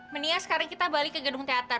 menia sekarang kita balik ke gedung teater